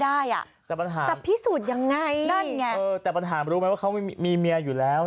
ได้อ่ะจะพิสูจน์ยังไงแต่ปัญหารู้ไหมว่าเขามีเมียอยู่แล้ว